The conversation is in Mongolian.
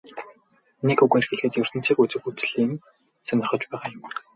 Нэг үгээр хэлэхэд ертөнцийг үзэх үзлий нь сонирхож байгаа юм.